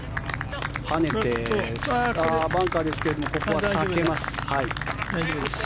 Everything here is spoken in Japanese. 跳ねて、バンカーですけれどここは避けます。